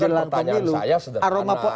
justru pertanyaan saya sederhana